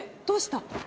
どうした？